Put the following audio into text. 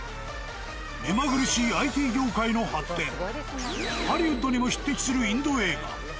目まぐるしいＩＴ業界の発展、ハリウッドにも匹敵するインド映画。